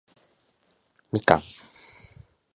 みかん